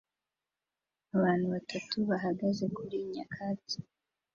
Abantu batanu bahagaze kuri nyakatsi